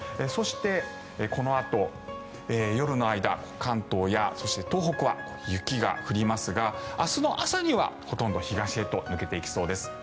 そして、このあと夜の間関東やそして東北は雪が降りますが明日の朝にはほとんど東へと抜けていきそうです。